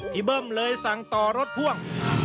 เบิ้มเลยสั่งต่อรถพ่วง